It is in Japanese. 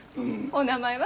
お名前は？